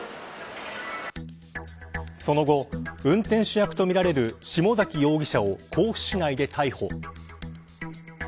その後、運転手役とみられる下崎容疑者を甲府市内で逮捕。